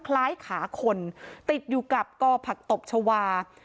คล้ายขาคนติดอยู่กับกอผักตบชาวา